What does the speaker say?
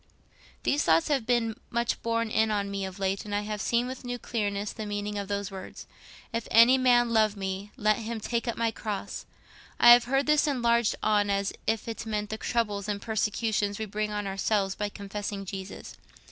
"These thoughts have been much borne in on me of late, and I have seen with new clearness the meaning of those words, 'If any man love me, let him take up my cross.' I have heard this enlarged on as if it meant the troubles and persecutions we bring on ourselves by confessing Jesus.